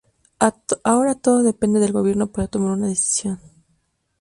Ahora todo depende del gobierno para tomar una decisión".